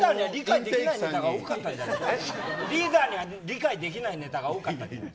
リーダーには理解できないネタが多かったかもしれない。